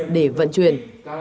để vận chuyển